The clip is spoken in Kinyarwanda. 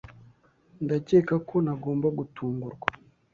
Ndakeka ko ntagomba gutungurwa.